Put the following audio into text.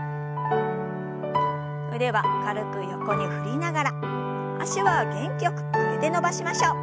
腕は軽く横に振りながら脚は元気よく曲げて伸ばしましょう。